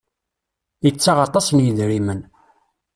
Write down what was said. Ittaɣ aṭas n yidrimen.